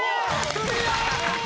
クリア！